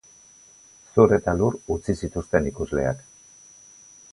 Zur eta lur utzi zituzten ikusleak.